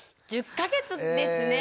１０か月ですね。